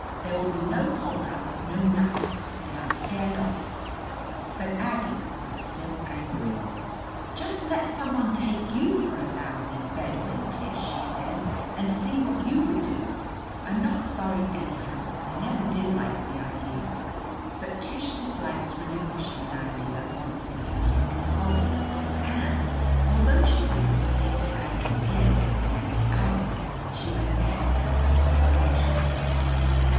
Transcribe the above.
There will be no holdup, no nothing. They are scared off." But Aggie was still angry. "Just let some one take you for a lousy Bedouin, Tish," she said, "and see what you would do. I'm not sorry anyhow. I never did like the idea." But Tish dislikes relinquishing an idea, once it has taken hold. And, although she did not speak to Aggie again for the next hour, she went ahead with her preparations.